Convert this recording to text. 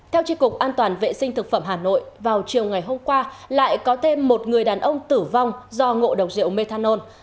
theo tri cục an toàn vệ sinh thực phẩm hà nội vào chiều ngày hôm qua lại có thêm một người đàn ông tử vong do ngộ độc rượu methanol